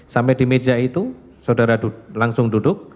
sampai di meja itu saudara langsung duduk